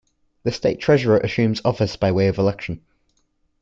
The state treasurer assumes office by way of election.